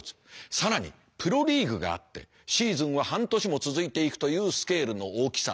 更にプロリーグがあってシーズンは半年も続いていくというスケールの大きさ。